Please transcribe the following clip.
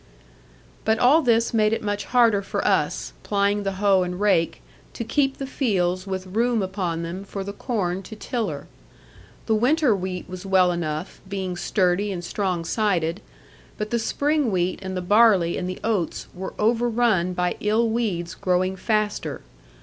But all this made it much harder for us, plying the hoe and rake, to keep the fields with room upon them for the corn to tiller. The winter wheat was well enough, being sturdy and strong sided; but the spring wheat and the barley and the oats were overrun by ill weeds growing faster.